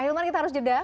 akhirnya kita harus jeda